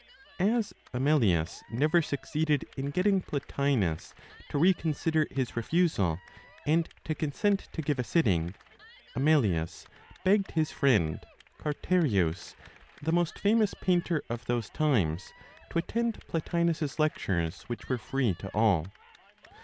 As Amelius never succeeded in getting Plotinos to reconsider his refusal, and to consent to give a sitting, Amelius begged his friend Carterius, the most famous painter of those times, to attend Plotinos's lectures, which were free to all.